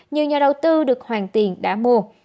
như nhà đầu tư được hoàn tiền đã mua